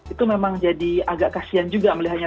itu memang jadi agak kasian juga melihatnya